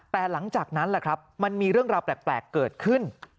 แต่หลังจากนั้นแหละครับมันมีเรื่องราวแปลกเกิดขึ้น